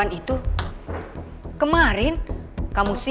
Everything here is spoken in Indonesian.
kamu bisa nyari anaknya di rumah